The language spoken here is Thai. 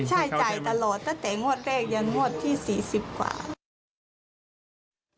ใช่จ่ายตลอดแต่งวดเลขยังงวดที่๔๐กว่า